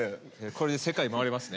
これで世界回れますね。